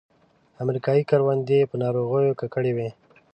امریکایي کروندې په ناروغیو ککړې وې.